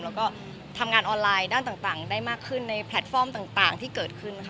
แล้วก็ทำงานออนไลน์ด้านต่างได้มากขึ้นในแพลตฟอร์มต่างที่เกิดขึ้นค่ะ